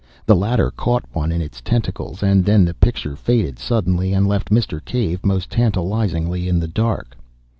The latter caught one in its tentacles, and then the picture faded suddenly and left Mr. Cave most tantalisingly in the dark.